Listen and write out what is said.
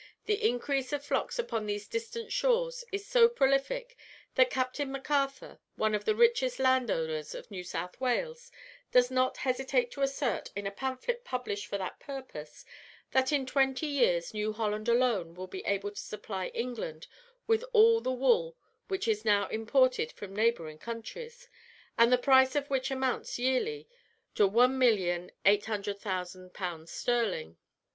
The increase of flocks upon these distant shores is so prolific that Captain MacArthur, one of the richest landowners of New South Wales, does not hesitate to assert, in a pamphlet published for that purpose, that in twenty years New Holland alone will be able to supply England with all the wool which is now imported from neighbouring countries, and the price of which amounts yearly to 1,800,000_l_. sterling."